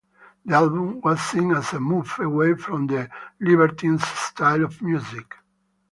The album was seen as a move away from The Libertines' style of music.